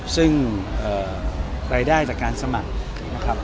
ซึ่งรายได้จากการสมัคร